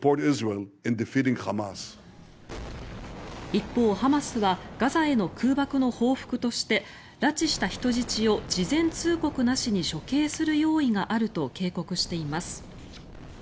一方、ハマスはガザへの空爆の報復として拉致した人質を事前通告なしに処刑する用意があると警告しています。